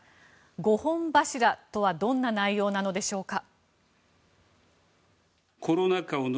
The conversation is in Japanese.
５本柱とはどんな内容なのでしょうか。